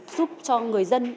giúp cho người dân